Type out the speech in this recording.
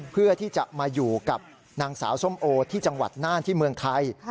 เพื่อที่จะมาอยู่กับนางสาวส้มโอที่จังหวัดน่านที่เมืองไทย